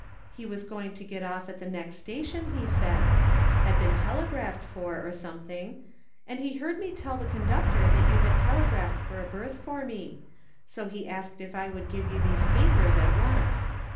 He was going to get off at the next station, he said — ^he had been tel^^aphed for, or something — ^and he heard me tell the conductor that you had telegraphed for a berth for me, so he asked if I would give you these papers at once.